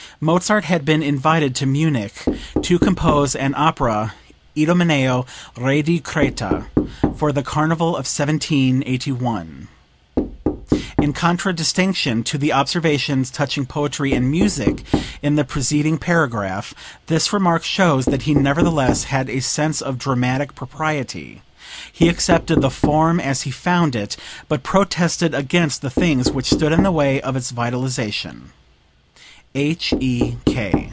Mozart had been invited to Munich to compose an opera, "Idomeneo, Re di Creta," for the carnival of 1781. [In contradistinction to the observations touching poetry and music in the preceding paragraph, this remark shows that he nevertheless had a sense of dramatic propriety. He accepted the form as he found it, but protested against the things which stood in the way of its vitalization. H.E.